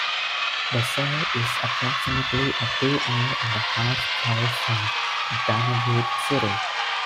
Basay is approximately a two-hour-and-a-half drive from Dumaguete City.